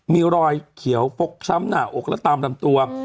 มีรอยเขียวฟกช้ำหน้าอกและตามลำตัว